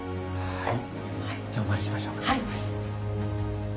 はい。